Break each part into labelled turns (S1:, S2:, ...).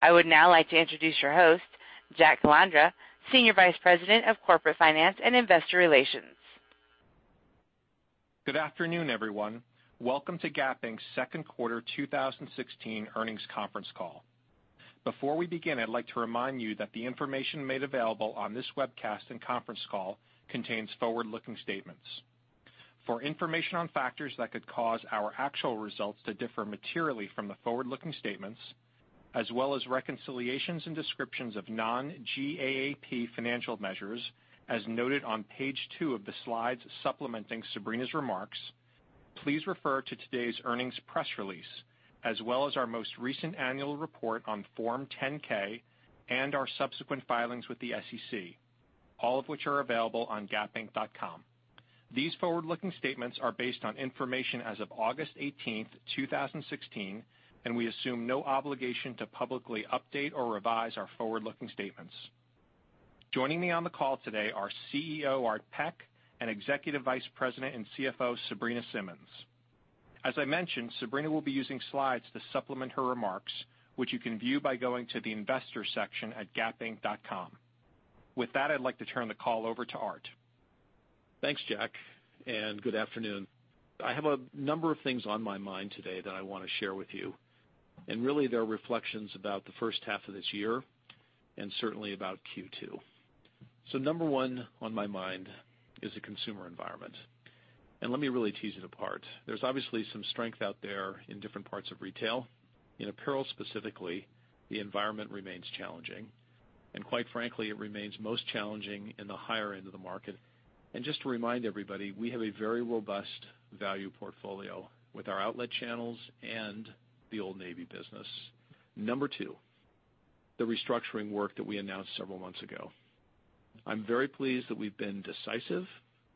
S1: I would now like to introduce your host, Jack Calandra, Senior Vice President of Corporate Finance and Investor Relations.
S2: Good afternoon, everyone. Welcome to Gap Inc.'s second quarter 2016 earnings conference call. Before we begin, I'd like to remind you that the information made available on this webcast and conference call contains forward-looking statements. For information on factors that could cause our actual results to differ materially from the forward-looking statements, as well as reconciliations and descriptions of non-GAAP financial measures, as noted on page two of the slides supplementing Sabrina's remarks, please refer to today's earnings press release, as well as our most recent annual report on Form 10-K and our subsequent filings with the SEC, all of which are available on gapinc.com. These forward-looking statements are based on information as of August 18th, 2016, and we assume no obligation to publicly update or revise our forward-looking statements. Joining me on the call today are CEO Art Peck and Executive Vice President and CFO Sabrina Simmons. As I mentioned, Sabrina will be using slides to supplement her remarks, which you can view by going to the Investors section at gapinc.com. With that, I'd like to turn the call over to Art.
S3: Thanks, Jack, and good afternoon. I have a number of things on my mind today that I want to share with you, and really, they're reflections about the first half of this year and certainly about Q2. Number one on my mind is the consumer environment, and let me really tease it apart. There's obviously some strength out there in different parts of retail. In apparel specifically, the environment remains challenging, and quite frankly, it remains most challenging in the higher end of the market. Just to remind everybody, we have a very robust value portfolio with our outlet channels and the Old Navy business. Number two, the restructuring work that we announced several months ago. I'm very pleased that we've been decisive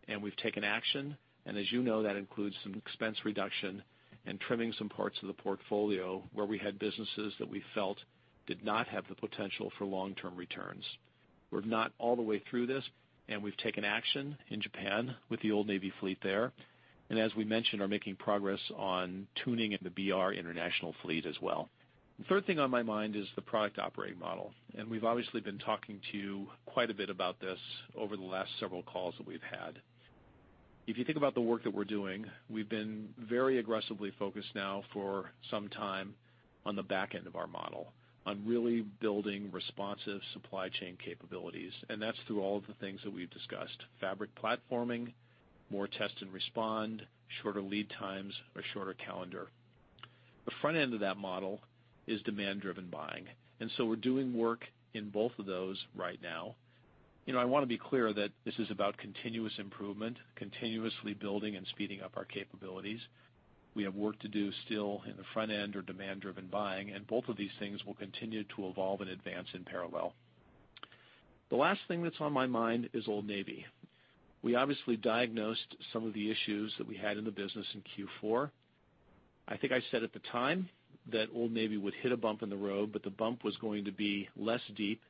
S3: and we've taken action. As you know, that includes some expense reduction and trimming some parts of the portfolio where we had businesses that we felt did not have the potential for long-term returns. We're not all the way through this. We've taken action in Japan with the Old Navy fleet there, and as we mentioned, are making progress on tuning in the BR international fleet as well. The third thing on my mind is the product operating model. We've obviously been talking to you quite a bit about this over the last several calls that we've had. If you think about the work that we're doing, we've been very aggressively focused now for some time on the back end of our model, on really building responsive supply chain capabilities. That's through all of the things that we've discussed, fabric platforming, more test and respond, shorter lead times, a shorter calendar. The front end of that model is demand-driven buying. We're doing work in both of those right now. I want to be clear that this is about continuous improvement, continuously building and speeding up our capabilities. We have work to do still in the front end or demand-driven buying. Both of these things will continue to evolve and advance in parallel. The last thing that's on my mind is Old Navy. We obviously diagnosed some of the issues that we had in the business in Q4. I think I said at the time that Old Navy would hit a bump in the road, but the bump was going to be less deep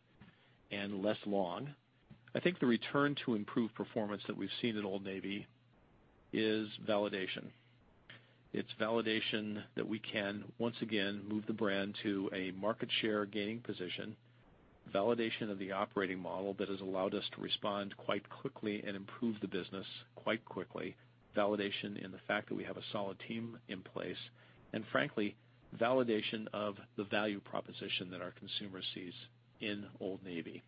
S3: and less long. I think the return to improved performance that we've seen in Old Navy is validation. It's validation that we can, once again, move the brand to a market share gaining position, validation of the operating model that has allowed us to respond quite quickly and improve the business quite quickly, validation in the fact that we have a solid team in place. Frankly, validation of the value proposition that our consumer sees in Old Navy.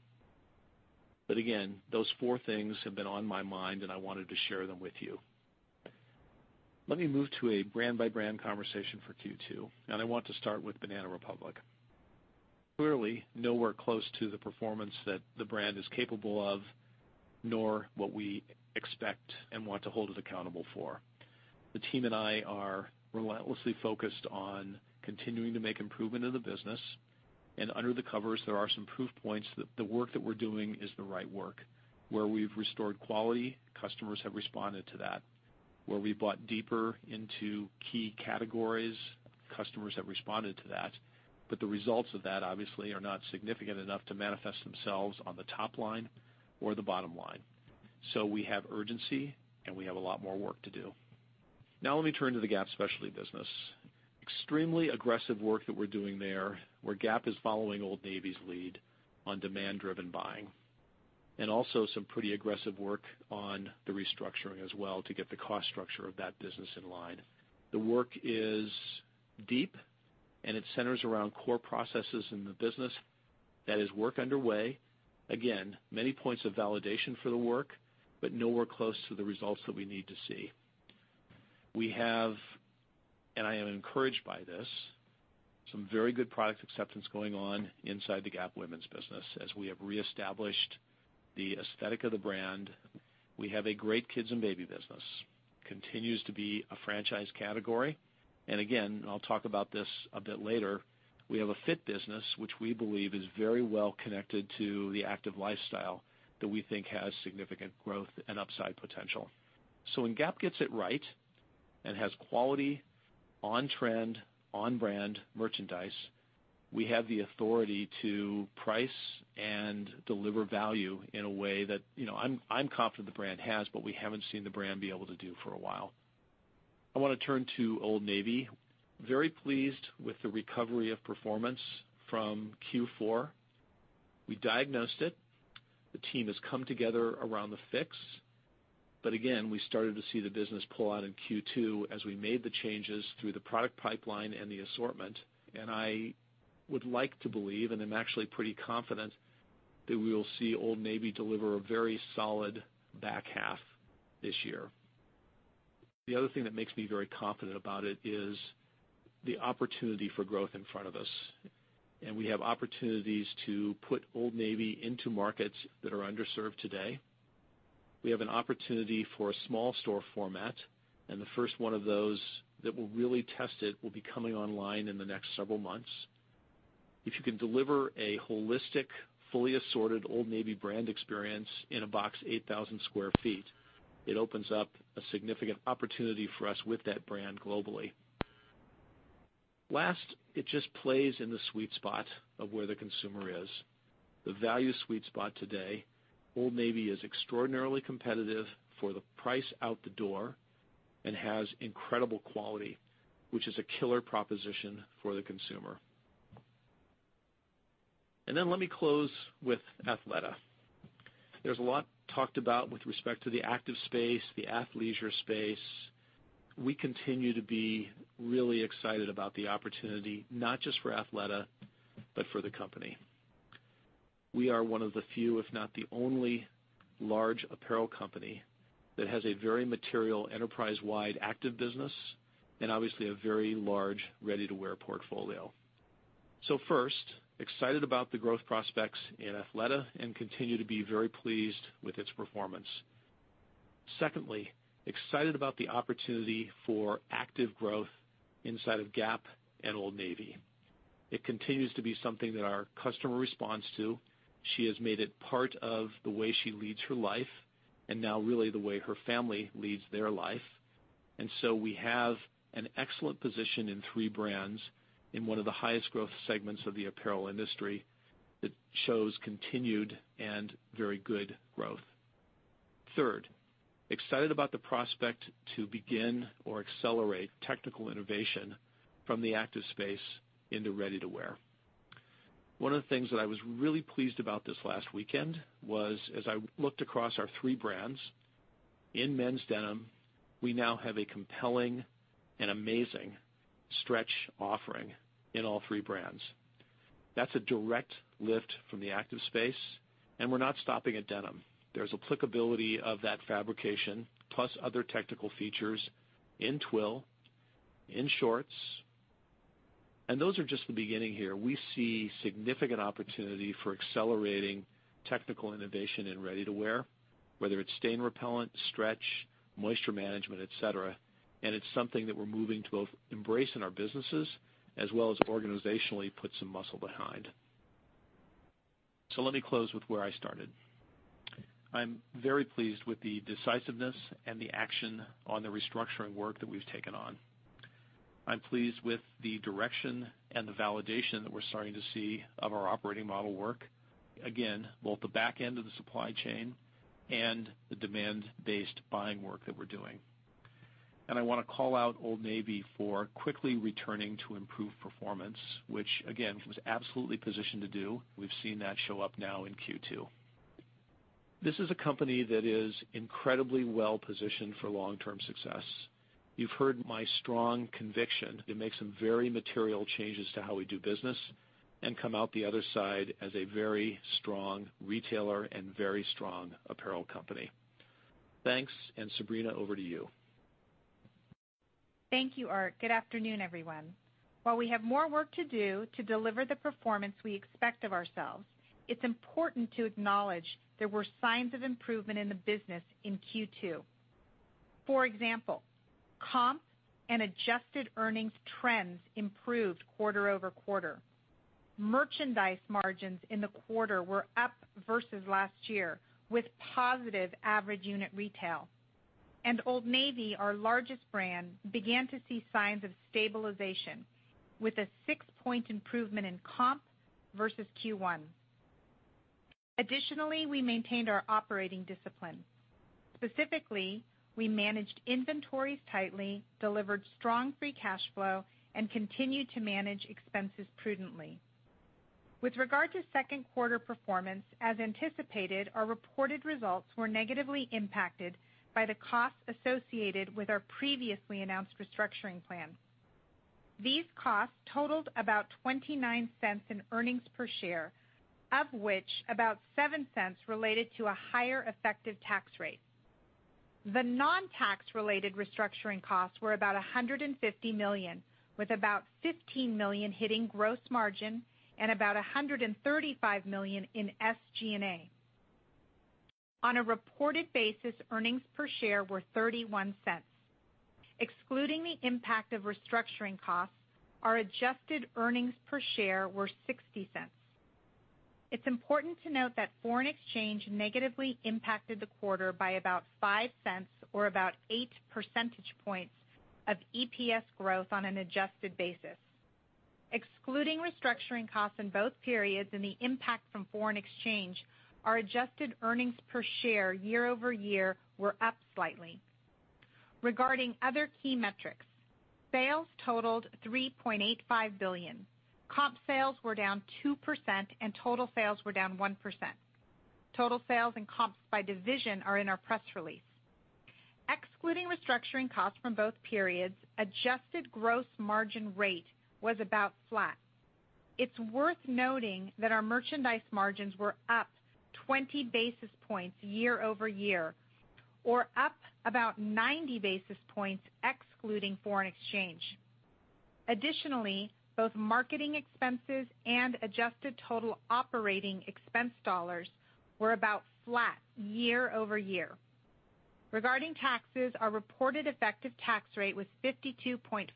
S3: Again, those four things have been on my mind, and I wanted to share them with you. Let me move to a brand by brand conversation for Q2. I want to start with Banana Republic. Clearly, nowhere close to the performance that the brand is capable of, nor what we expect and want to hold it accountable for. The team and I are relentlessly focused on continuing to make improvement in the business. Under the covers, there are some proof points that the work that we're doing is the right work. Where we've restored quality, customers have responded to that. Where we've bought deeper into key categories, customers have responded to that. The results of that, obviously, are not significant enough to manifest themselves on the top line or the bottom line. We have urgency, and we have a lot more work to do. Now let me turn to the Gap specialty business. Extremely aggressive work that we're doing there, where Gap is following Old Navy's lead on demand-driven buying. Also some pretty aggressive work on the restructuring as well to get the cost structure of that business in line. The work is deep, and it centers around core processes in the business. That is work underway. Many points of validation for the work, but nowhere close to the results that we need to see. We have, and I am encouraged by this, some very good product acceptance going on inside the Gap women's business as we have reestablished the aesthetic of the brand. We have a great kids and baby business. Continues to be a franchise category. I'll talk about this a bit later. We have a fit business which we believe is very well connected to the active lifestyle that we think has significant growth and upside potential. When Gap gets it right and has quality, on-trend, on-brand merchandise, we have the authority to price and deliver value in a way that I'm confident the brand has, but we haven't seen the brand be able to do for a while. I want to turn to Old Navy. Very pleased with the recovery of performance from Q4. We diagnosed it. The team has come together around the fix. We started to see the business pull out in Q2 as we made the changes through the product pipeline and the assortment. I would like to believe, and I'm actually pretty confident, that we will see Old Navy deliver a very solid back half this year. The other thing that makes me very confident about it is the opportunity for growth in front of us. We have opportunities to put Old Navy into markets that are underserved today. We have an opportunity for a small store format, and the first one of those that will really test it will be coming online in the next several months. If you can deliver a holistic, fully assorted Old Navy brand experience in a box 8,000 sq ft, it opens up a significant opportunity for us with that brand globally. Last, it just plays in the sweet spot of where the consumer is, the value sweet spot today. Old Navy is extraordinarily competitive for the price out the door and has incredible quality, which is a killer proposition for the consumer. Let me close with Athleta. There's a lot talked about with respect to the active space, the athleisure space. We continue to be really excited about the opportunity, not just for Athleta, but for the company. We are one of the few, if not the only large apparel company that has a very material enterprise-wide active business and obviously a very large ready-to-wear portfolio. First, excited about the growth prospects in Athleta and continue to be very pleased with its performance. Secondly, excited about the opportunity for active growth inside of Gap and Old Navy. It continues to be something that our customer responds to. She has made it part of the way she leads her life, and now really the way her family leads their life. We have an excellent position in three brands in one of the highest growth segments of the apparel industry that shows continued and very good growth. Third, excited about the prospect to begin or accelerate technical innovation from the active space into ready-to-wear. One of the things that I was really pleased about this last weekend was, as I looked across our three brands, in men's denim, we now have a compelling and amazing stretch offering in all three brands. That's a direct lift from the active space, and we're not stopping at denim. There's applicability of that fabrication plus other technical features in twill, in shorts, and those are just the beginning here. We see significant opportunity for accelerating technical innovation in ready-to-wear, whether it's stain repellent, stretch, moisture management, et cetera, and it's something that we're moving to both embrace in our businesses, as well as organizationally put some muscle behind. Let me close with where I started. I'm very pleased with the decisiveness and the action on the restructuring work that we've taken on. I'm pleased with the direction and the validation that we're starting to see of our operating model work, again, both the back end of the supply chain and the demand-based buying work that we're doing. I want to call out Old Navy for quickly returning to improved performance, which again, was absolutely positioned to do. We've seen that show up now in Q2. This is a company that is incredibly well-positioned for long-term success. You've heard my strong conviction to make some very material changes to how we do business and come out the other side as a very strong retailer and very strong apparel company. Thanks, and Sabrina, over to you.
S4: Thank you, Art. Good afternoon, everyone. While we have more work to do to deliver the performance we expect of ourselves, it's important to acknowledge there were signs of improvement in the business in Q2. For example, comps and adjusted earnings trends improved quarter-over-quarter. Merchandise margins in the quarter were up versus last year, with positive average unit retail. Old Navy, our largest brand, began to see signs of stabilization with a six-point improvement in comps versus Q1. Additionally, we maintained our operating discipline. Specifically, we managed inventories tightly, delivered strong free cash flow, and continued to manage expenses prudently. With regard to second quarter performance, as anticipated, our reported results were negatively impacted by the costs associated with our previously announced restructuring plan. These costs totaled about $0.29 in earnings per share, of which about $0.07 related to a higher effective tax rate. The non-tax related restructuring costs were about $150 million, with about $15 million hitting gross margin and about $135 million in SG&A. On a reported basis, earnings per share were $0.31. Excluding the impact of restructuring costs, our adjusted earnings per share were $0.60. It's important to note that foreign exchange negatively impacted the quarter by about $0.05 or about eight percentage points of EPS growth on an adjusted basis. Excluding restructuring costs in both periods and the impact from foreign exchange, our adjusted earnings per share year-over-year were up slightly. Regarding other key metrics, sales totaled $3.85 billion. Comp sales were down 2%, and total sales were down 1%. Total sales and comps by division are in our press release. Excluding restructuring costs from both periods, adjusted gross margin rate was about flat. It's worth noting that our merchandise margins were up 20 basis points year-over-year, or up about 90 basis points excluding foreign exchange. Additionally, both marketing expenses and adjusted total operating expense dollars were about flat year-over-year. Regarding taxes, our reported effective tax rate was 52.5%.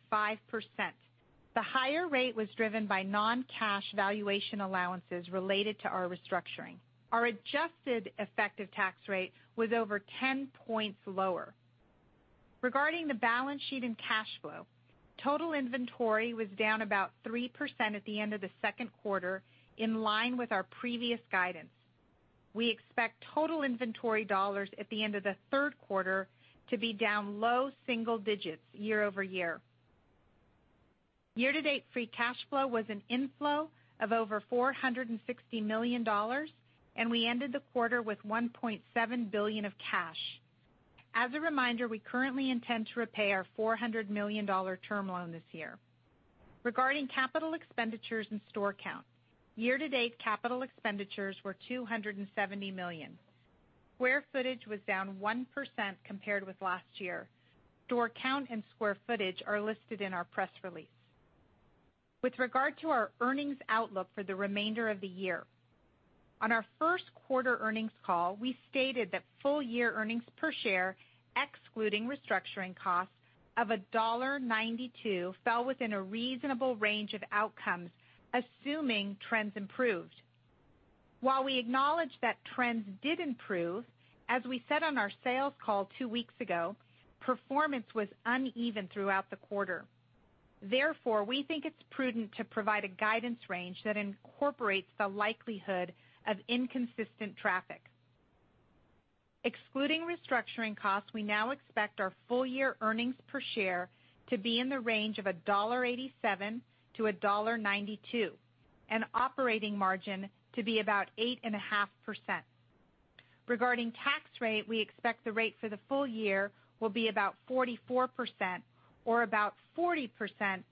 S4: The higher rate was driven by non-cash valuation allowances related to our restructuring. Our adjusted effective tax rate was over 10 points lower. Regarding the balance sheet and cash flow, total inventory was down about 3% at the end of the second quarter, in line with our previous guidance. We expect total inventory dollars at the end of the third quarter to be down low single digits year-over-year. Year-to-date free cash flow was an inflow of over $460 million, and we ended the quarter with $1.7 billion of cash. As a reminder, we currently intend to repay our $400 million term loan this year. Regarding capital expenditures and store count, year-to-date capital expenditures were $270 million. Square footage was down 1% compared with last year. Store count and square footage are listed in our press release. With regard to our earnings outlook for the remainder of the year, on our first quarter earnings call, we stated that full-year earnings per share, excluding restructuring costs, of $1.92 fell within a reasonable range of outcomes, assuming trends improved. While we acknowledge that trends did improve, as we said on our sales call two weeks ago, performance was uneven throughout the quarter. Therefore, we think it's prudent to provide a guidance range that incorporates the likelihood of inconsistent traffic. Excluding restructuring costs, we now expect our full-year earnings per share to be in the range of $1.87-$1.92, and operating margin to be about 8.5%. Regarding tax rate, we expect the rate for the full-year will be about 44%, or about 40%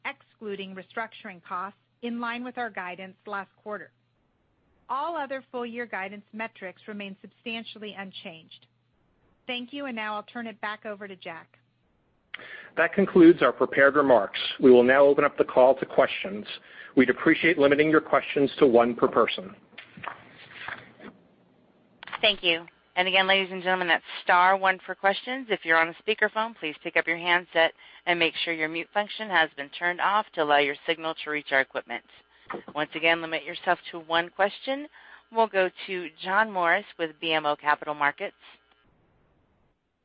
S4: excluding restructuring costs, in line with our guidance last quarter. All other full-year guidance metrics remain substantially unchanged. Thank you, and now I'll turn it back over to Jack.
S2: That concludes our prepared remarks. We will now open up the call to questions. We'd appreciate limiting your questions to one per person.
S1: Thank you. Again, ladies and gentlemen, that's star one for questions. If you're on a speakerphone, please pick up your handset and make sure your mute function has been turned off to allow your signal to reach our equipment. Once again, limit yourself to one question. We'll go to John Morris with BMO Capital Markets.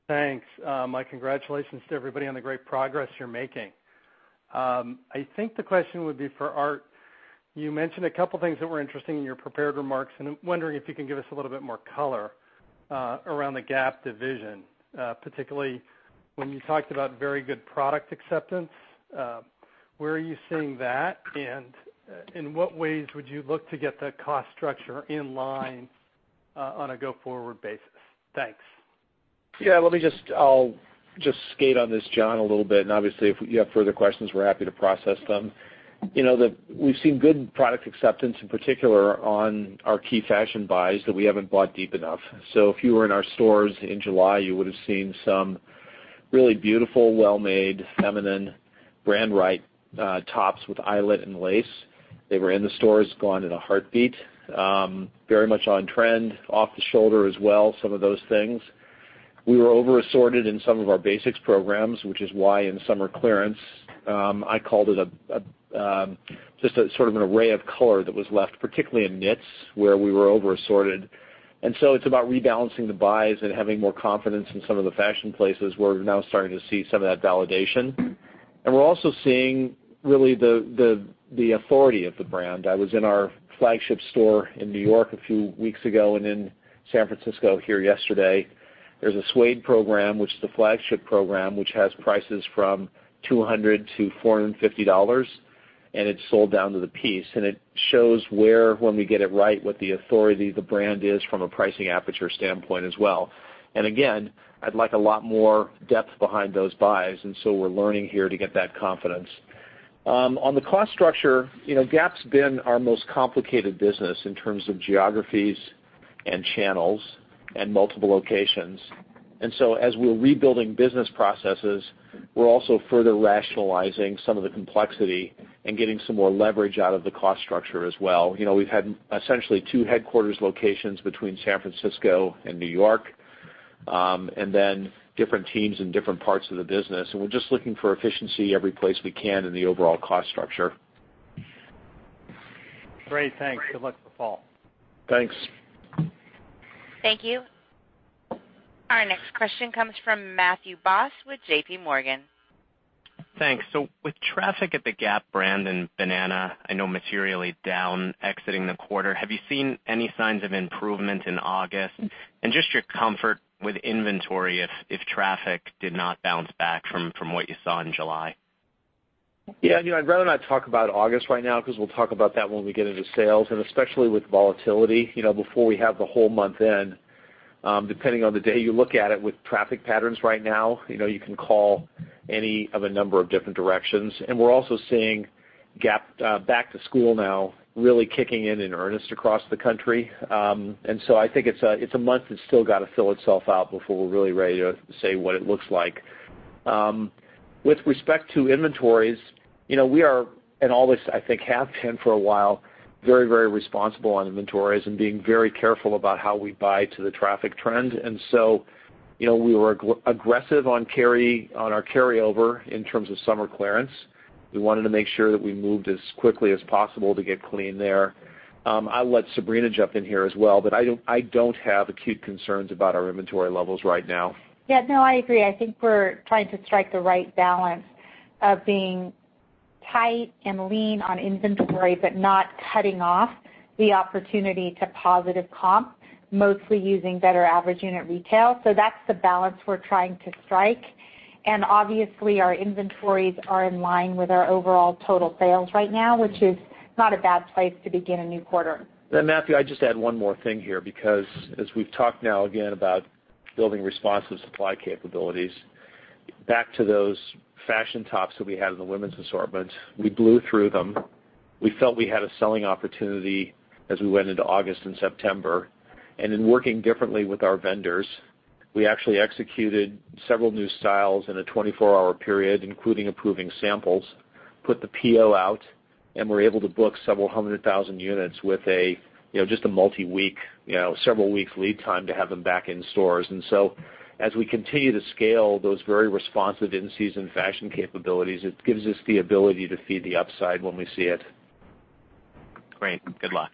S5: Thanks. My congratulations to everybody on the great progress you're making. I think the question would be for Art. You mentioned a couple things that were interesting in your prepared remarks. I'm wondering if you can give us a little bit more color around the Gap division, particularly when you talked about very good product acceptance. Where are you seeing that, in what ways would you look to get the cost structure in line on a go-forward basis? Thanks.
S3: Yeah, I'll just skate on this, John, a little bit. Obviously, if you have further questions, we're happy to process them. We've seen good product acceptance, in particular on our key fashion buys that we haven't bought deep enough. If you were in our stores in July, you would've seen some really beautiful, well-made, feminine, brand right tops with eyelet and lace. They were in the stores, gone in a heartbeat. Very much on trend, off the shoulder as well, some of those things. We were over-assorted in some of our basics programs, which is why in summer clearance, I called it just sort of an array of color that was left, particularly in knits, where we were over-assorted. It's about rebalancing the buys and having more confidence in some of the fashion places where we're now starting to see some of that validation. We're also seeing really the authority of the brand. I was in our flagship store in New York a few weeks ago and in San Francisco here yesterday. There's a suede program, which is the flagship program, which has prices from $200-$450. It's sold down to the piece. It shows where, when we get it right, what the authority of the brand is from a pricing aperture standpoint as well. Again, I'd like a lot more depth behind those buys. We're learning here to get that confidence. On the cost structure, Gap's been our most complicated business in terms of geographies and channels and multiple locations. As we're rebuilding business processes, we're also further rationalizing some of the complexity and getting some more leverage out of the cost structure as well. We've had essentially two headquarters locations between San Francisco and New York, then different teams in different parts of the business. We're just looking for efficiency every place we can in the overall cost structure.
S5: Great. Thanks. Good luck with fall.
S3: Thanks
S1: Thank you. Our next question comes from Matthew Boss with JPMorgan.
S6: Thanks. With traffic at the Gap brand and Banana, I know, materially down exiting the quarter, have you seen any signs of improvement in August? Just your comfort with inventory if traffic did not bounce back from what you saw in July.
S3: Yeah. I'd rather not talk about August right now because we'll talk about that when we get into sales, especially with volatility, before we have the whole month in. Depending on the day you look at it with traffic patterns right now, you can call any of a number of different directions. We're also seeing Gap back to school now really kicking in in earnest across the country. I think it's a month that's still got to fill itself out before we're really ready to say what it looks like. With respect to inventories, we are, and always, I think, have been for a while, very responsible on inventories and being very careful about how we buy to the traffic trend. We were aggressive on our carryover in terms of summer clearance. We wanted to make sure that we moved as quickly as possible to get clean there. I'll let Sabrina jump in here as well. I don't have acute concerns about our inventory levels right now.
S4: Yeah. No, I agree. I think we're trying to strike the right balance of being tight and lean on inventory, not cutting off the opportunity to positive comp, mostly using better average unit retail. That's the balance we're trying to strike. Obviously our inventories are in line with our overall total sales right now, which is not a bad place to begin a new quarter.
S3: Matthew, I'd just add one more thing here, because as we've talked now again about building responsive supply capabilities, back to those fashion tops that we had in the women's assortment, we blew through them. We felt we had a selling opportunity as we went into August and September. In working differently with our vendors, we actually executed several new styles in a 24-hour period, including approving samples, put the PO out, and were able to book several hundred thousand units with just a multi-week, several weeks lead time to have them back in stores. As we continue to scale those very responsive in-season fashion capabilities, it gives us the ability to feed the upside when we see it.
S6: Great. Good luck.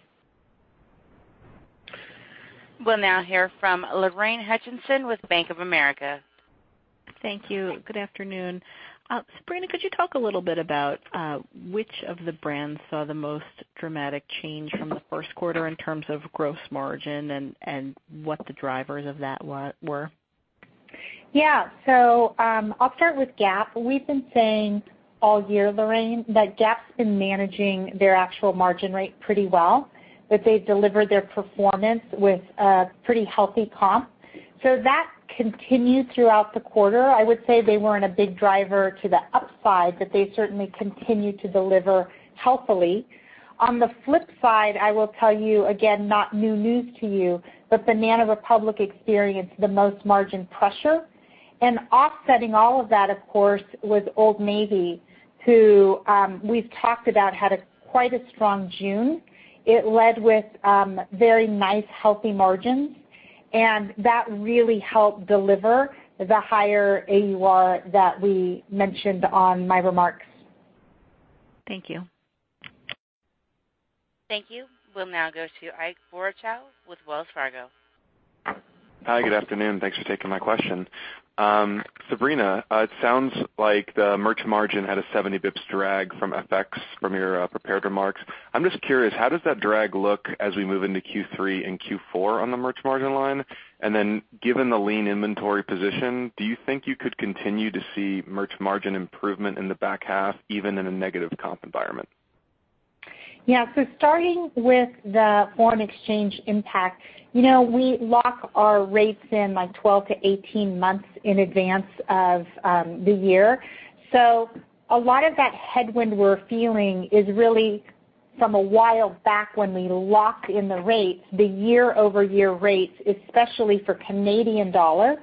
S1: We'll now hear from Lorraine Hutchinson with Bank of America.
S7: Thank you. Good afternoon. Sabrina, could you talk a little bit about which of the brands saw the most dramatic change from the first quarter in terms of gross margin and what the drivers of that were?
S4: Yeah. I'll start with Gap. We've been saying all year, Lorraine, that Gap's been managing their actual margin rate pretty well, that they've delivered their performance with a pretty healthy comp. That continued throughout the quarter. I would say they weren't a big driver to the upside, but they certainly continued to deliver healthily. On the flip side, I will tell you, again, not new news to you, but Banana Republic experienced the most margin pressure. Offsetting all of that, of course, was Old Navy, who we've talked about, had quite a strong June. It led with very nice, healthy margins, and that really helped deliver the higher AUR that we mentioned on my remarks.
S7: Thank you.
S1: Thank you. We'll now go to Ike Boruchow with Wells Fargo.
S8: Hi, good afternoon. Thanks for taking my question. Sabrina, it sounds like the merch margin had a 70 basis points drag from FX from your prepared remarks. I'm just curious, how does that drag look as we move into Q3 and Q4 on the merch margin line? Then given the lean inventory position, do you think you could continue to see merch margin improvement in the back half, even in a negative comp environment?
S4: Yeah. Starting with the foreign exchange impact, we lock our rates in like 12 to 18 months in advance of the year. A lot of that headwind we're feeling is really from a while back when we locked in the rates, the year-over-year rates, especially for Canadian dollar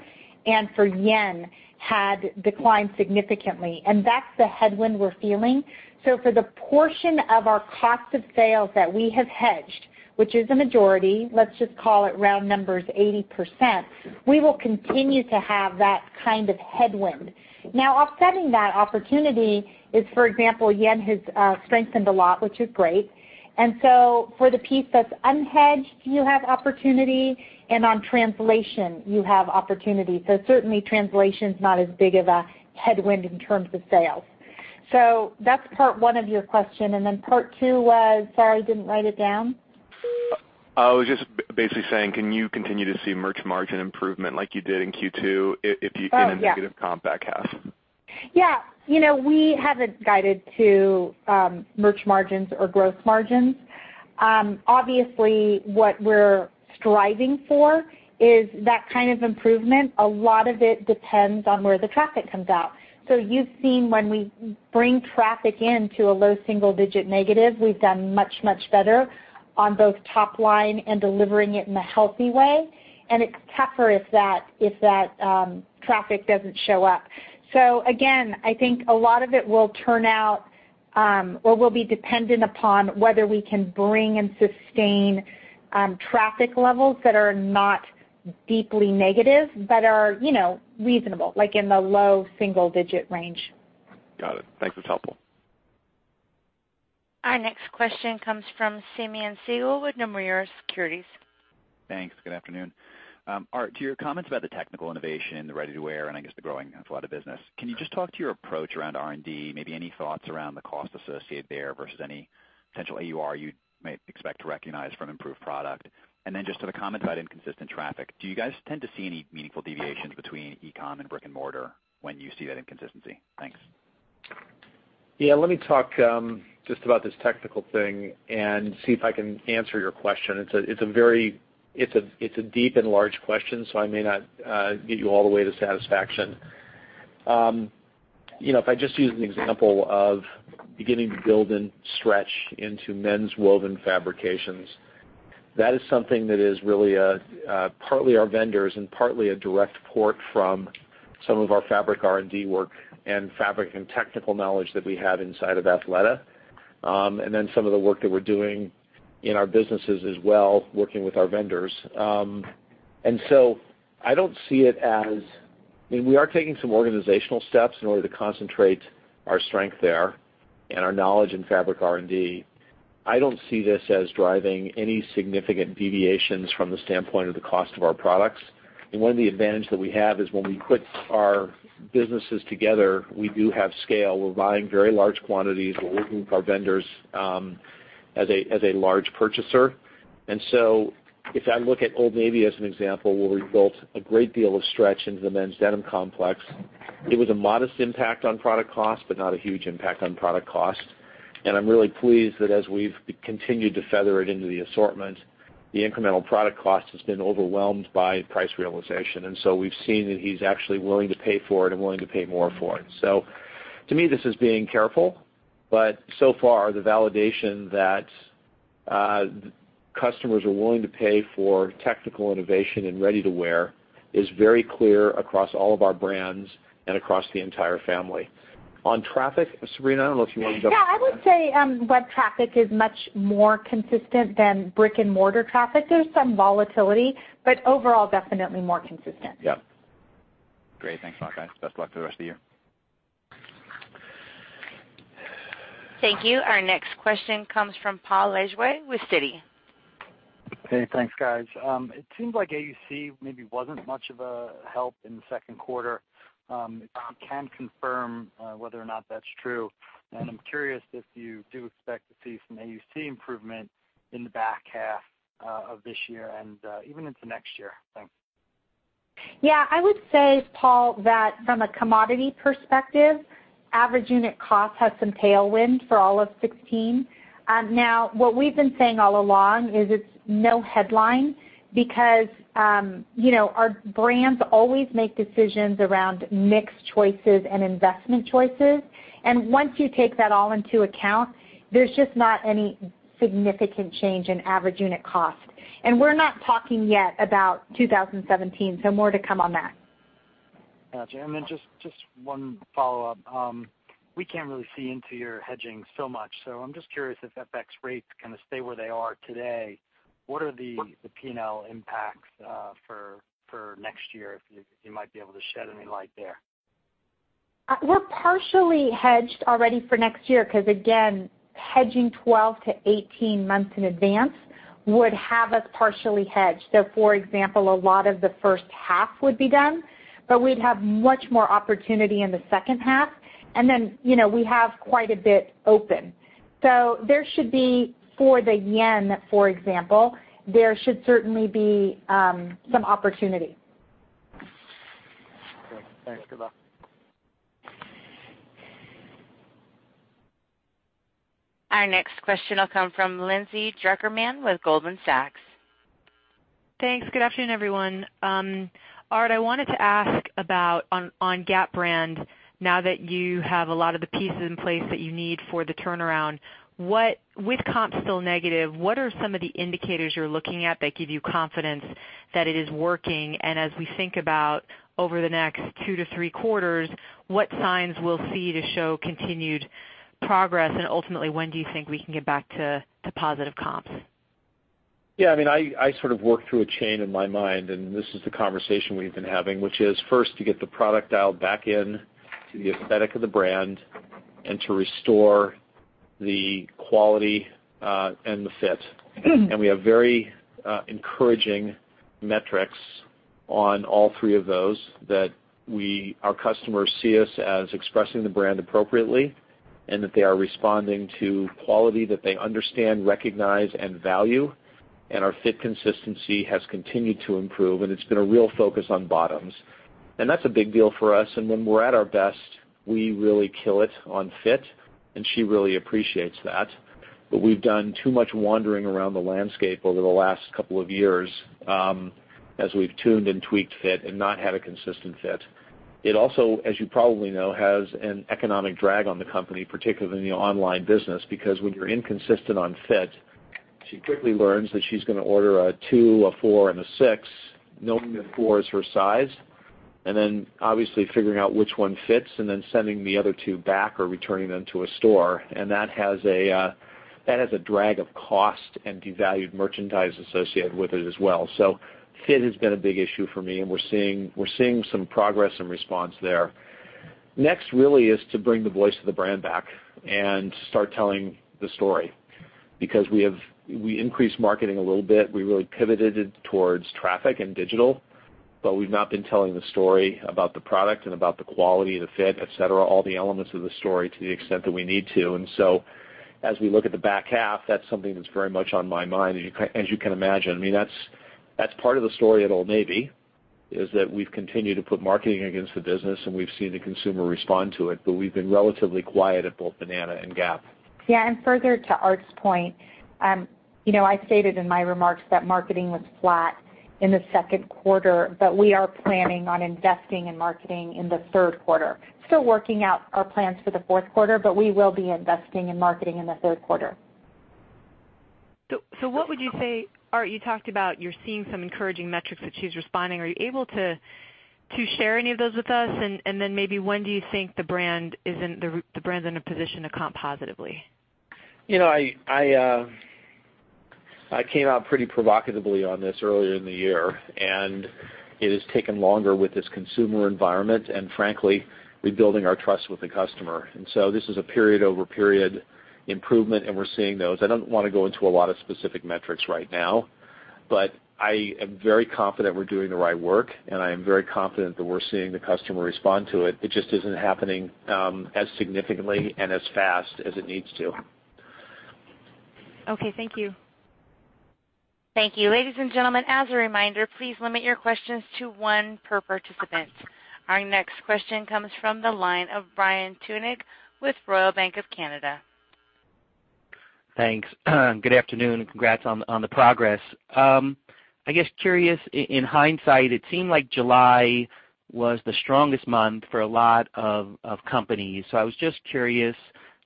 S4: and for JPY, had declined significantly. That's the headwind we're feeling. For the portion of our cost of sales that we have hedged, which is a majority, let's just call it round numbers, 80%, we will continue to have that kind of headwind. Now, offsetting that opportunity is, for example, JPY has strengthened a lot, which is great. For the piece that's unhedged, you have opportunity, and on translation, you have opportunity. Certainly translation's not as big of a headwind in terms of sales. That's part one of your question, part two was? Sorry, I didn't write it down.
S8: I was just basically saying, can you continue to see merch margin improvement like you did in Q2 in a negative comp back half?
S4: We haven't guided to merch margins or gross margins. Obviously, what we're striving for is that kind of improvement. A lot of it depends on where the traffic comes out. You've seen when we bring traffic in to a low single digit negative, we've done much, much better on both top line and delivering it in a healthy way, it's tougher if that traffic doesn't show up. Again, I think a lot of it will turn out, or will be dependent upon whether we can bring and sustain traffic levels that are not deeply negative, but are reasonable, like in the low single digit range.
S8: Got it. Thanks. That's helpful.
S1: Our next question comes from Simeon Siegel with Nomura Securities.
S9: Thanks. Good afternoon. Art, to your comments about the technical innovation, the ready-to-wear, and I guess the growing Athleta business, can you just talk to your approach around R&D, maybe any thoughts around the cost associated there versus any potential AUR you may expect to recognize from improved product? Then just to the comment about inconsistent traffic, do you guys tend to see any meaningful deviations between e-com and brick and mortar when you see that inconsistency? Thanks.
S3: Yeah. Let me talk just about this technical thing and see if I can answer your question. It's a deep and large question, so I may not get you all the way to satisfaction. If I just use an example of beginning to build and stretch into men's woven fabrications. That is something that is really partly our vendors and partly a direct port from some of our fabric R&D work and fabric and technical knowledge that we have inside of Athleta. Some of the work that we're doing in our businesses as well, working with our vendors. We are taking some organizational steps in order to concentrate our strength there and our knowledge in fabric R&D. I don't see this as driving any significant deviations from the standpoint of the cost of our products. One of the advantage that we have is when we put our businesses together, we do have scale. We're buying very large quantities. We're working with our vendors as a large purchaser. If I look at Old Navy as an example, where we built a great deal of stretch into the men's denim complex, it was a modest impact on product cost, but not a huge impact on product cost. I'm really pleased that as we've continued to feather it into the assortment, the incremental product cost has been overwhelmed by price realization. We've seen that he's actually willing to pay for it and willing to pay more for it. To me, this is being careful, but so far, the validation that customers are willing to pay for technical innovation and ready-to-wear is very clear across all of our brands and across the entire family. On traffic, Sabrina, I don't know if you want to jump on that.
S4: I would say web traffic is much more consistent than brick and mortar traffic. There's some volatility, but overall, definitely more consistent.
S3: Yeah.
S9: Great. Thanks a lot, guys. Best of luck for the rest of the year.
S1: Thank you. Our next question comes from Paul Lejuez with Citi.
S10: Hey, thanks guys. It seems like AUC maybe wasn't much of a help in the second quarter. If you can confirm whether or not that's true, I'm curious if you do expect to see some AUC improvement in the back half of this year and even into next year. Thanks.
S4: Yeah. I would say, Paul, that from a commodity perspective, average unit cost has some tailwind for all of 2016. What we've been saying all along is it's no headline because our brands always make decisions around mix choices and investment choices. Once you take that all into account, there's just not any significant change in average unit cost. We're not talking yet about 2017, so more to come on that.
S10: Got you. Just one follow-up. We can't really see into your hedging so much, so I'm just curious if FX rates stay where they are today, what are the P&L impacts for next year, if you might be able to shed any light there?
S4: We're partially hedged already for next year because again, hedging 12 to 18 months in advance would have us partially hedged. For example, a lot of the first half would be done, but we'd have much more opportunity in the second half. We have quite a bit open. There should be for the yen, for example, there should certainly be some opportunity.
S10: Okay. Thanks. Good luck.
S1: Our next question will come from Lindsay Drucker Mann with Goldman Sachs.
S11: Thanks. Good afternoon, everyone. Art, I wanted to ask about on Gap brand, now that you have a lot of the pieces in place that you need for the turnaround. With comps still negative, what are some of the indicators you're looking at that give you confidence that it is working? As we think about over the next two to three quarters, what signs we'll see to show continued progress? Ultimately, when do you think we can get back to positive comps?
S3: Yeah. I sort of work through a chain in my mind, and this is the conversation we've been having, which is first to get the product dial back in to the aesthetic of the brand and to restore the quality and the fit. We have very encouraging metrics on all three of those that our customers see us as expressing the brand appropriately, and that they are responding to quality that they understand, recognize, and value. Our fit consistency has continued to improve, and it's been a real focus on bottoms. That's a big deal for us. When we're at our best, we really kill it on fit, and she really appreciates that. We've done too much wandering around the landscape over the last couple of years as we've tuned and tweaked fit and not had a consistent fit. It also, as you probably know, has an economic drag on the company, particularly in the online business. When you're inconsistent on fit, she quickly learns that she's going to order a two, a four, and a six, knowing that four is her size, and then obviously figuring out which one fits and then sending the other two back or returning them to a store. That has a drag of cost and devalued merchandise associated with it as well. Fit has been a big issue for me, and we're seeing some progress and response there. Next really is to bring the voice of the brand back and start telling the story. We increased marketing a little bit. We really pivoted towards traffic and digital, but we've not been telling the story about the product and about the quality, the fit, et cetera, all the elements of the story to the extent that we need to. As we look at the back half, that's something that's very much on my mind, as you can imagine. That's part of the story at Old Navy, is that we've continued to put marketing against the business, and we've seen the consumer respond to it, but we've been relatively quiet at both Banana and Gap.
S4: Yeah, further to Art's point, I stated in my remarks that marketing was flat in the second quarter, we are planning on investing in marketing in the third quarter. Still working out our plans for the fourth quarter, we will be investing in marketing in the third quarter.
S11: What would you say, Art, you talked about you're seeing some encouraging metrics that she's responding. Are you able to share any of those with us? Maybe when do you think the brand is in a position to comp positively?
S3: I came out pretty provocatively on this earlier in the year, it has taken longer with this consumer environment, and frankly, rebuilding our trust with the customer. This is a period-over-period improvement, and we're seeing those. I don't want to go into a lot of specific metrics right now, but I am very confident we're doing the right work, and I am very confident that we're seeing the customer respond to it. It just isn't happening as significantly and as fast as it needs to.
S11: Okay. Thank you.
S1: Thank you. Ladies and gentlemen, as a reminder, please limit your questions to one per participant. Our next question comes from the line of Brian Tunick with Royal Bank of Canada.
S12: Thanks. Good afternoon, and congrats on the progress. I guess curious, in hindsight, it seemed like July was the strongest month for a lot of companies. I was just curious,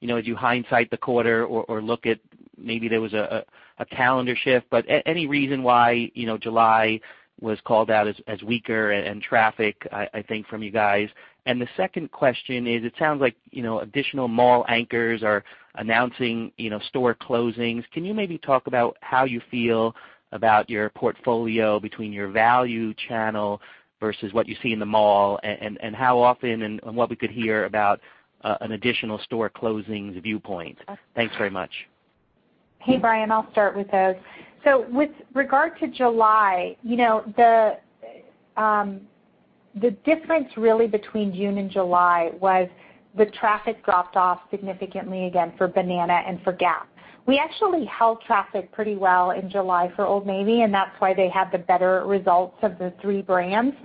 S12: as you hindsight the quarter or look at maybe there was a calendar shift, but any reason why July was called out as weaker in traffic, I think from you guys. The second question is, it sounds like additional mall anchors are announcing store closings. Can you maybe talk about how you feel about your portfolio between your value channel versus what you see in the mall, and how often and what we could hear about an additional store closings viewpoint? Thanks very much.
S4: Hey, Brian, I'll start with those. With regard to July, the difference really between June and July was the traffic dropped off significantly again for Banana and for Gap. We actually held traffic pretty well in July for Old Navy, and that's why they had the better results of the three brands.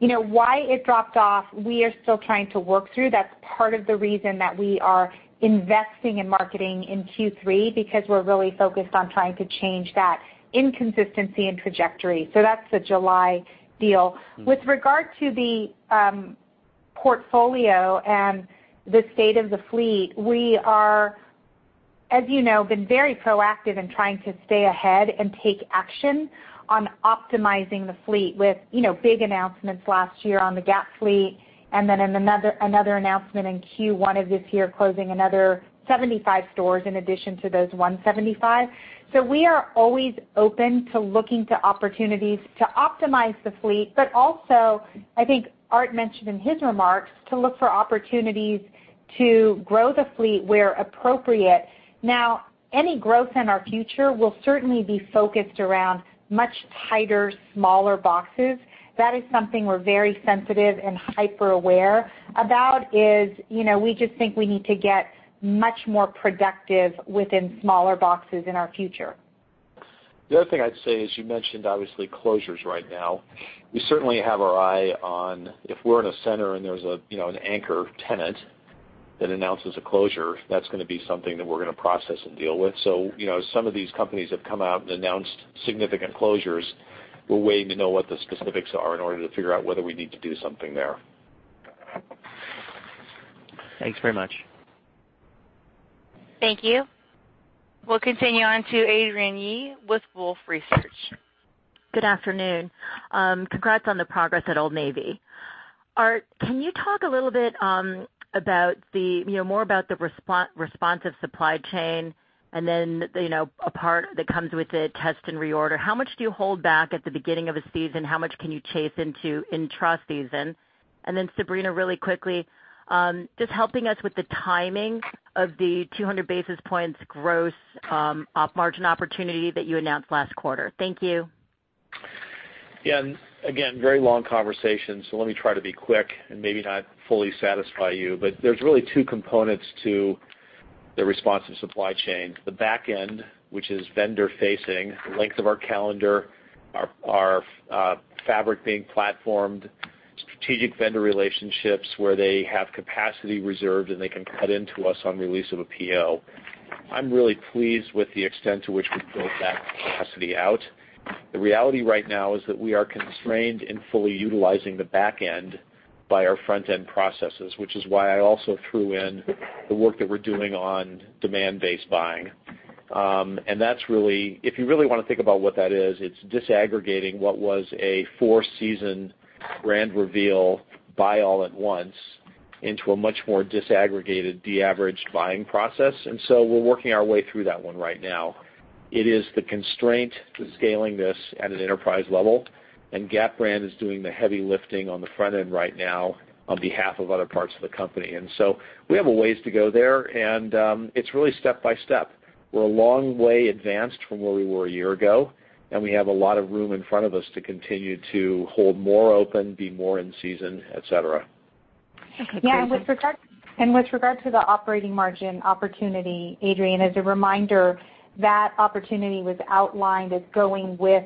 S4: Why it dropped off, we are still trying to work through. That's part of the reason that we are investing in marketing in Q3, because we're really focused on trying to change that inconsistency in trajectory. That's the July deal. With regard to the portfolio and the state of the fleet, we are, as you know, been very proactive in trying to stay ahead and take action on optimizing the fleet with big announcements last year on the Gap fleet, and then another announcement in Q1 of this year, closing another 75 stores in addition to those 175. We are always open to looking to opportunities to optimize the fleet, but also, I think Art mentioned in his remarks, to look for opportunities to grow the fleet where appropriate. Any growth in our future will certainly be focused around much tighter, smaller boxes. That is something we're very sensitive and hyper-aware about is, we just think we need to get much more productive within smaller boxes in our future.
S3: The other thing I'd say is you mentioned, obviously, closures right now. We certainly have our eye on if we're in a center and there's an anchor tenant that announces a closure, that's going to be something that we're going to process and deal with. Some of these companies have come out and announced significant closures. We're waiting to know what the specifics are in order to figure out whether we need to do something there.
S12: Thanks very much.
S1: Thank you. We will continue on to Adrienne Yih with Wolfe Research.
S13: Good afternoon. Congrats on the progress at Old Navy. Art, can you talk a little bit more about the responsive supply chain and then, a part that comes with it, test and reorder. How much do you hold back at the beginning of a season? How much can you chase into in-season? Sabrina, really quickly, just helping us with the timing of the 200 basis points gross margin opportunity that you announced last quarter. Thank you.
S3: Yeah. Again, very long conversation, so let me try to be quick and maybe not fully satisfy you. There is really two components to the responsive supply chain. The back end, which is vendor facing, the length of our calendar, our fabric being platformed, strategic vendor relationships where they have capacity reserved, and they can cut into us on release of a PO. I am really pleased with the extent to which we have built that capacity out. The reality right now is that we are constrained in fully utilizing the back end by our front-end processes, which is why I also threw in the work that we are doing on demand-based buying. If you really want to think about what that is, it is disaggregating what was a four-season brand reveal buy all at once into a much more disaggregated de-averaged buying process. We are working our way through that one right now. It is the constraint to scaling this at an enterprise level, and Gap brand is doing the heavy lifting on the front end right now on behalf of other parts of the company. We have a ways to go there, and it is really step by step. We are a long way advanced from where we were a year ago, and we have a lot of room in front of us to continue to hold more open, be more in-season, et cetera.
S13: Okay, great. Thanks.
S4: With regard to the operating margin opportunity, Adrienne, as a reminder, that opportunity was outlined as going with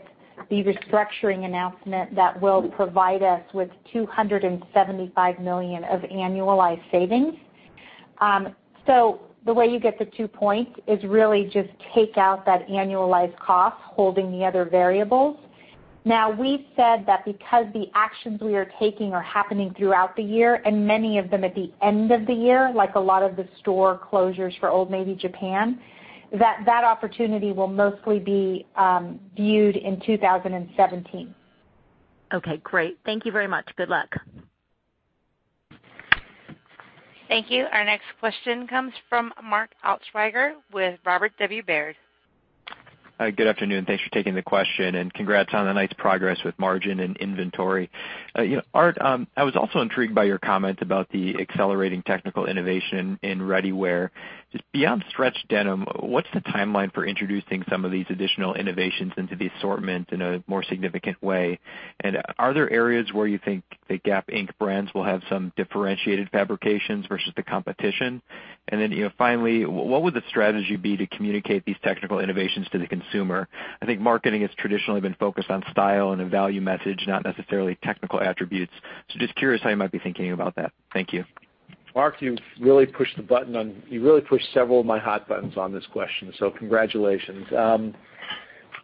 S4: the restructuring announcement that will provide us with $275 million of annualized savings. The way you get the two points is really just take out that annualized cost, holding the other variables. We've said that because the actions we are taking are happening throughout the year, and many of them at the end of the year, like a lot of the store closures for Old Navy Japan, that opportunity will mostly be viewed in 2017.
S13: Great. Thank you very much. Good luck.
S1: Thank you. Our next question comes from Mark Altschwager with Robert W. Baird.
S14: Good afternoon. Thanks for taking the question, and congrats on the nice progress with margin and inventory. Art, I was also intrigued by your comment about the accelerating technical innovation in ready-wear. Beyond stretch denim, what's the timeline for introducing some of these additional innovations into the assortment in a more significant way? Are there areas where you think the Gap Inc. brands will have some differentiated fabrications versus the competition? Finally, what would the strategy be to communicate these technical innovations to the consumer? I think marketing has traditionally been focused on style and a value message, not necessarily technical attributes. Curious how you might be thinking about that. Thank you.
S3: Mark, you've really pushed several of my hot buttons on this question, congratulations.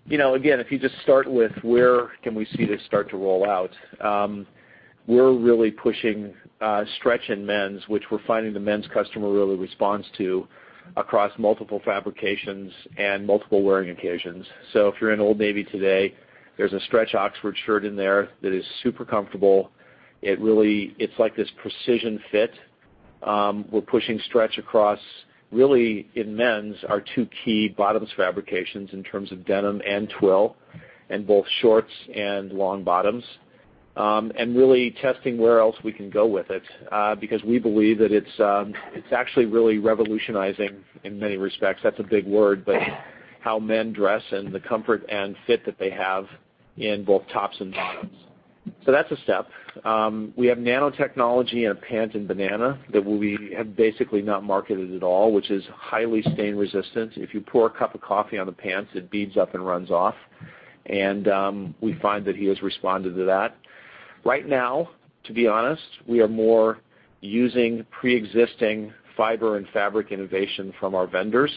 S3: If you just start with, where can we see this start to roll out? We're really pushing stretch in men's, which we're finding the men's customer really responds to across multiple fabrications and multiple wearing occasions. If you're in Old Navy today, there's a stretch Oxford shirt in there that is super comfortable. It's like this precision fit. We're pushing stretch across really, in men's, our two key bottoms fabrications in terms of denim and twill, and both shorts and long bottoms. Really testing where else we can go with it because we believe that it's actually really revolutionizing, in many respects, that's a big word, but how men dress and the comfort and fit that they have in both tops and bottoms. That's a step. We have nanotechnology in a pant in Banana that we have basically not marketed at all, which is highly stain resistant. If you pour a cup of coffee on the pants, it beads up and runs off. We find that he has responded to that. Right now, to be honest, we are more using preexisting fiber and fabric innovation from our vendors,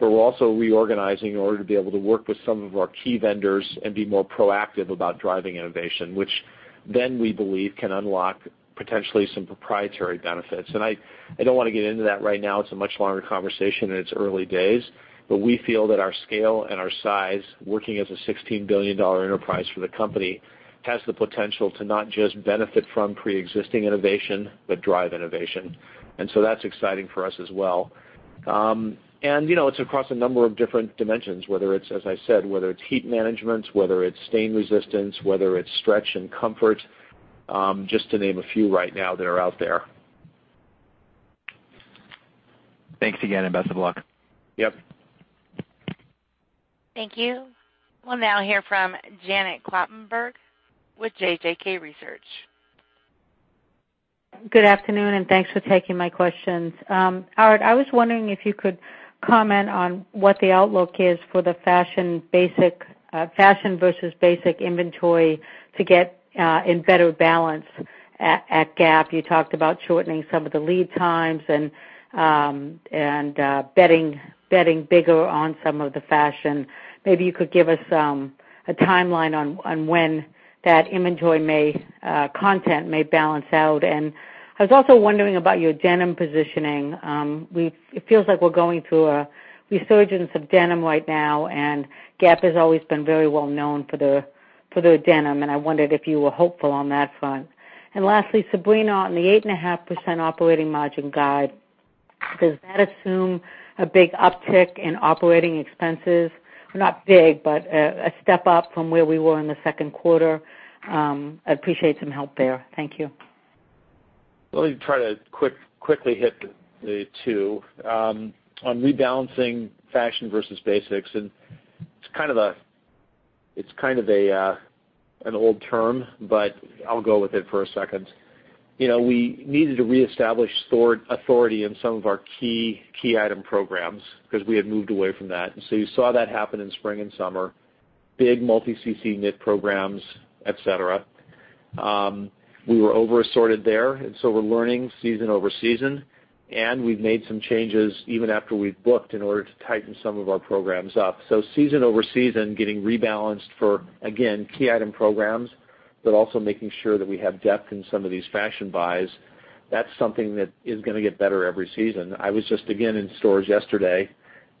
S3: we're also reorganizing in order to be able to work with some of our key vendors and be more proactive about driving innovation, which then we believe can unlock potentially some proprietary benefits. I don't want to get into that right now. It's a much longer conversation, it's early days, we feel that our scale and our size, working as a $16 billion enterprise for the company, has the potential to not just benefit from preexisting innovation, but drive innovation. That's exciting for us as well. It's across a number of different dimensions, whether it's, as I said, whether it's heat management, whether it's stain resistance, whether it's stretch and comfort, just to name a few right now that are out there.
S14: Thanks again, and best of luck.
S3: Yep.
S1: Thank you. We'll now hear from Janet Kloppenburg with JJK Research.
S15: Good afternoon, and thanks for taking my questions. Art, I was wondering if you could comment on what the outlook is for the fashion versus basic inventory to get in better balance at Gap. You talked about shortening some of the lead times and betting bigger on some of the fashion. Maybe you could give us a timeline on when that inventory content may balance out. I was also wondering about your denim positioning. It feels like we're going through a resurgence of denim right now, and Gap has always been very well known for their denim, and I wondered if you were hopeful on that front. Lastly, Sabrina, on the 8.5% operating margin guide, does that assume a big uptick in operating expenses? Not big, but a step up from where we were in the second quarter. I'd appreciate some help there. Thank you.
S3: Let me try to quickly hit the two. On rebalancing fashion versus basics, and it's kind of an old term, but I'll go with it for a second. We needed to reestablish authority in some of our key item programs because we had moved away from that. You saw that happen in spring and summer, big multi CC knit programs, et cetera. We were over assorted there, and so we're learning season over season, and we've made some changes even after we've booked in order to tighten some of our programs up. Season over season, getting rebalanced for, again, key item programs, but also making sure that we have depth in some of these fashion buys. That's something that is going to get better every season. I was just, again, in stores yesterday.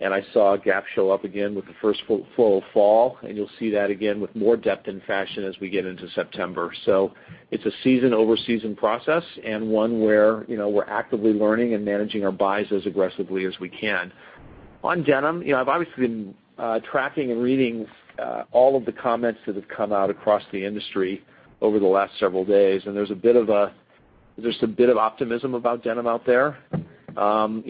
S3: I saw Gap show up again with the first full fall. You will see that again with more depth in fashion as we get into September. It is a season-over-season process and one where we are actively learning and managing our buys as aggressively as we can. On denim, I have obviously been tracking and reading all of the comments that have come out across the industry over the last several days. There is some bit of optimism about denim out there. We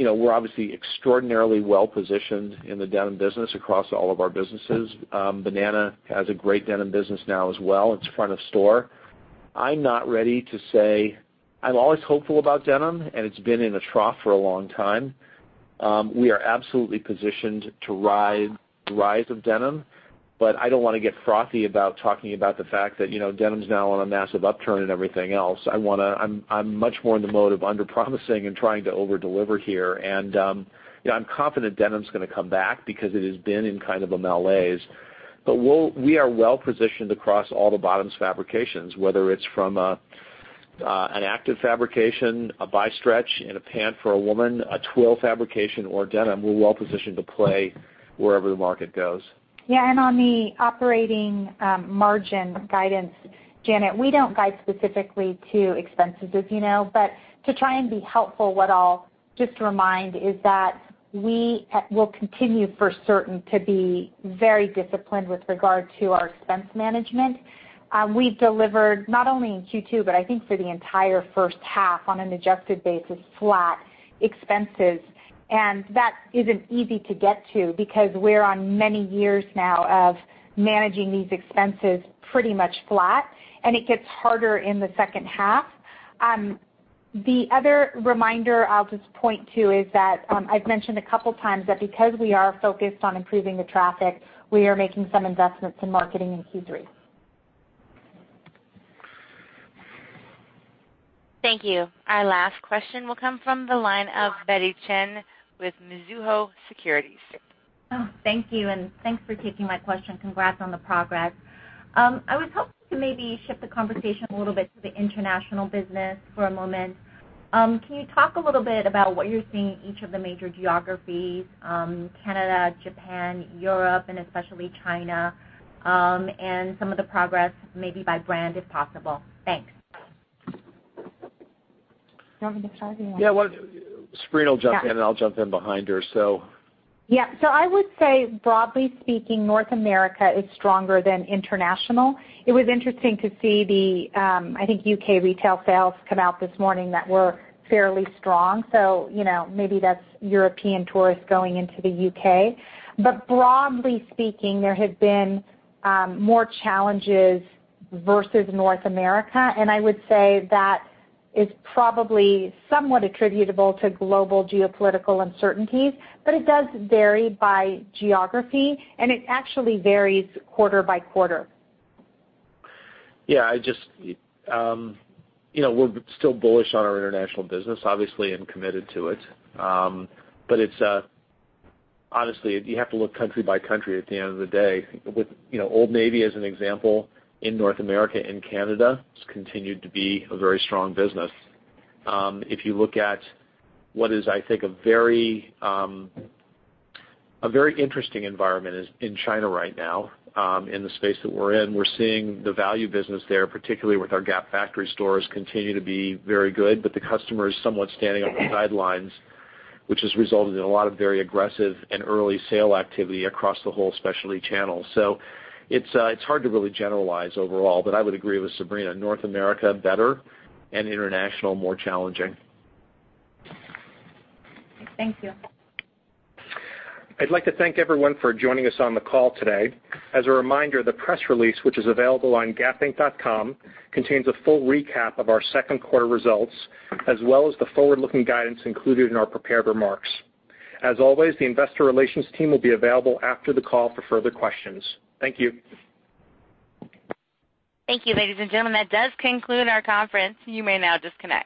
S3: are obviously extraordinarily well-positioned in the denim business across all of our businesses. Banana has a great denim business now as well. It is front of store. I am always hopeful about denim. It has been in a trough for a long time. We are absolutely positioned to ride the rise of denim. I do not want to get frothy about talking about the fact that denim is now on a massive upturn and everything else. I am much more in the mode of under-promising and trying to over-deliver here. I am confident denim is going to come back because it has been in kind of a malaise. We are well positioned across all the bottoms fabrications, whether it is from an active fabrication, a bi-stretch in a pant for a woman, a twill fabrication, or denim. We are well positioned to play wherever the market goes.
S4: On the operating margin guidance, Janet, we do not guide specifically to expenses, as you know. To try and be helpful, what I will just remind is that we will continue for certain to be very disciplined with regard to our expense management. We have delivered not only in Q2, but I think for the entire first half on an adjusted basis, flat expenses. That is not easy to get to, because we are on many years now of managing these expenses pretty much flat. It gets harder in the second half. The other reminder I will just point to is that I have mentioned a couple of times that because we are focused on improving the traffic, we are making some investments in marketing in Q3.
S1: Thank you. Our last question will come from the line of Betty Chen with Mizuho Securities.
S16: Thank you. Thanks for taking my question. Congrats on the progress. I was hoping to maybe shift the conversation a little bit to the international business for a moment. Can you talk a little bit about what you're seeing in each of the major geographies, Canada, Japan, Europe, and especially China, and some of the progress maybe by brand, if possible? Thanks.
S4: Do you want me to start?
S3: Sabrina will jump in, and I'll jump in behind her.
S4: I would say broadly speaking, North America is stronger than international. It was interesting to see the, I think, U.K. retail sales come out this morning that were fairly strong. Maybe that's European tourists going into the U.K. Broadly speaking, there have been more challenges versus North America, and I would say that is probably somewhat attributable to global geopolitical uncertainties. It does vary by geography, and it actually varies quarter by quarter.
S3: Yeah. We're still bullish on our international business, obviously, and committed to it. Honestly, you have to look country by country at the end of the day. With Old Navy as an example, in North America and Canada, it's continued to be a very strong business. If you look at what is, I think, a very interesting environment in China right now, in the space that we're in. We're seeing the value business there, particularly with our Gap Factory stores, continue to be very good, but the customer is somewhat standing on the sidelines, which has resulted in a lot of very aggressive and early sale activity across the whole specialty channel. It's hard to really generalize overall, but I would agree with Sabrina. North America, better, and international, more challenging.
S16: Thank you.
S2: I'd like to thank everyone for joining us on the call today. As a reminder, the press release, which is available on gapinc.com, contains a full recap of our second quarter results, as well as the forward-looking guidance included in our prepared remarks. As always, the investor relations team will be available after the call for further questions. Thank you.
S1: Thank you, ladies and gentlemen. That does conclude our conference. You may now disconnect.